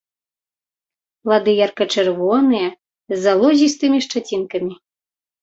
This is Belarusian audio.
Плады ярка-чырвоныя, з залозістымі шчацінкамі.